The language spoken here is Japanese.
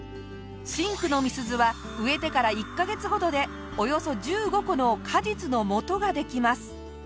真紅の美鈴は植えてから１カ月ほどでおよそ１５個の果実のもとができます。